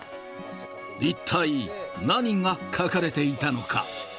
一体何が書かれていたのか。